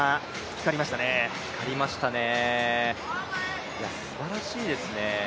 光りましたね、すばらしいですね。